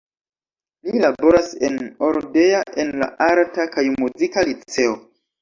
Li laboras en Oradea en la Arta kaj Muzika Liceo.